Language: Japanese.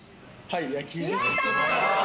やった！